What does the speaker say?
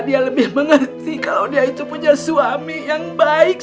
dia lebih mengerti kalau dia itu punya suami yang baik